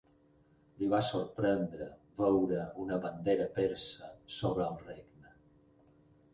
Li va sorprendre veure una bandera persa sobre el regne.